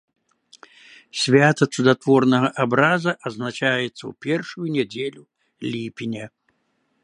Свята цудатворнага абраза адзначаецца ў першую нядзелю ліпеня.